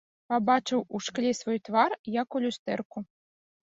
Пабачыў у шкле свой твар, як у люстэрку.